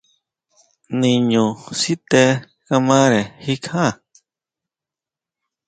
Niño sité kamare jikjá.